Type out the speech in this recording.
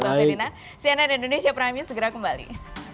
bang ferdinand cnn indonesia prime news segera kembali